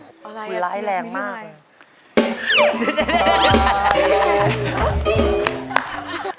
อะไรอย่างนี้มั้ยคุณร้ายแรงมากคุณร้ายแรงมาก